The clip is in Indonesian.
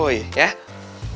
udah terserah kamu deh